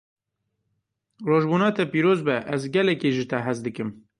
Rojbûna te pîroz be, ez gelekî ji te hez dikim.